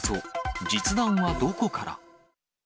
実弾はどこから？